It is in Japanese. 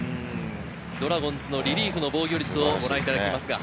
ドラゴンズのリリーフの防御率をご覧いただいています。